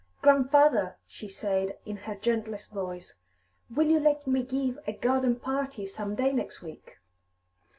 "Grandfather," she said, in her gentlest voice, "will you let me give a garden party some day next week?"